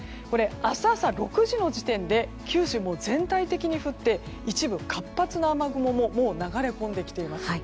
明日朝６時の時点で九州、全体的に降って一部活発な雨雲も流れ込んできています。